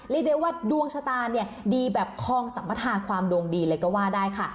เรียกได้ว่าดวงชะตาเนี่ยดีแบบคลองสัมมทาความดวงดีเลยก็ว่าได้ค่ะ